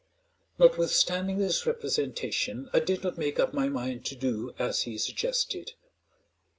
Notwithstanding this representation, I did not make up my mind to do as he suggested.